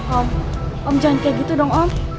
om om jan kayak gitu dong om